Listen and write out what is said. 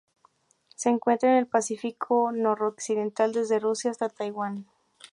Se encuentra en el Pacífico noroccidental: desde Rusia hasta Taiwán.